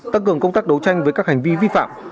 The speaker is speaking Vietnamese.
tăng cường công tác đấu tranh với các hành vi vi phạm